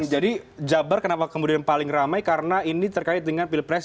jadi jabar kenapa kemudian paling ramai karena ini terkait dengan pilpres dua ribu sembilan belas